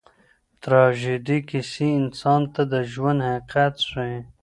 تراژیدي کیسې انسان ته د ژوند حقیقت ښیي.